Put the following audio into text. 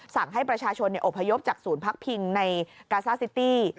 สั่งให้ประชาชนอบพยพจากศูนย์พักพิงในกาซ่าซิตี้